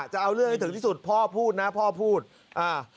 จะเอาเรื่องให้ถึงที่สุดพ่อพูดนะพ่อพูดอ่า